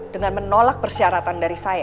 dengan menolak persyaratan dari saya